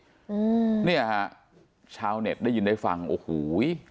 อืมเนี่ยฮะชาวเน็ตได้ยินได้ฟังโอ้โห